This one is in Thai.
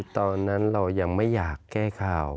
ตอนนั้นเรายังไม่อยากแก้ข่าว